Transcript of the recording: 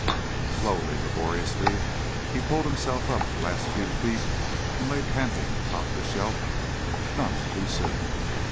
Slowly, laboriously he pulled himself up the last few feet and lay panting atop the shelf, none too soon.